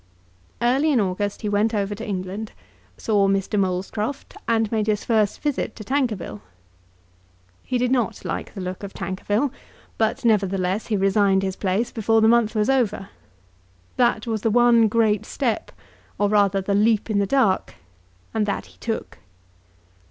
Early in August he went over to England, saw Mr. Molescroft, and made his first visit to Tankerville. He did not like the look of Tankerville; but nevertheless he resigned his place before the month was over. That was the one great step, or rather the leap in the dark, and that he took.